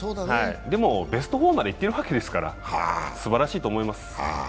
でも、ベスト４まで行ってるわけですから、すばらしいと思います。